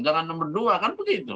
jangan nomor dua kan begitu